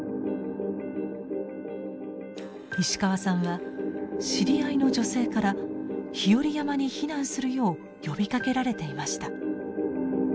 石川さんは知り合いの女性から日和山に避難するよう呼びかけられていました。